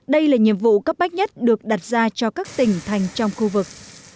đây là nhiệm vụ cấp bách nhất được đặt ra cho các tỉnh thành trong khu vực